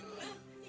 ini jadi keren